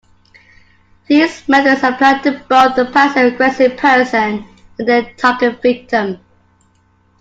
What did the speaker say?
These methods apply to both the passive-aggressive person and their target victim.